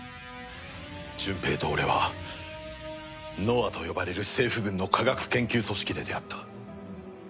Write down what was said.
純平と俺はノアと呼ばれる政府軍の科学研究組織で出会った。